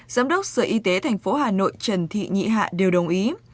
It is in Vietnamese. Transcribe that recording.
giám đốc sở y tế tp hà nội trần thị nhị hạ đều đồng ý